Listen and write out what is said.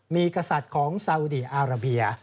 มีกษัตริย์ของซาอุดีอาราเบีย